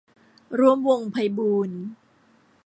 ร่วมวงศ์ไพบูลย์